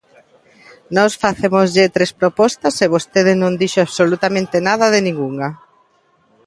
Nós facémoslle tres propostas e vostede non dixo absolutamente nada de ningunha.